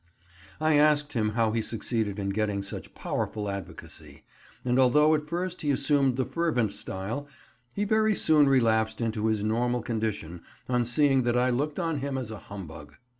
I asked him how he succeeded in getting such "powerful" advocacy, and although at first he assumed the fervent style, he very soon relapsed into his normal condition on seeing that I looked on him as a humbug.